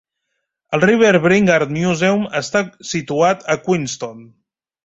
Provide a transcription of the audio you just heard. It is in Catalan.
El RiverBrink Art Museum està situat a Queenston.